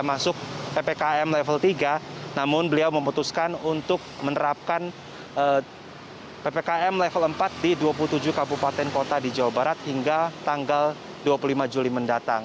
masuk ppkm level tiga namun beliau memutuskan untuk menerapkan ppkm level empat di dua puluh tujuh kabupaten kota di jawa barat hingga tanggal dua puluh lima juli mendatang